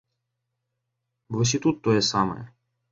Вось і тут тое самае.